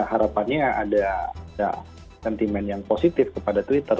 harapannya ada sentimen yang positif kepada twitter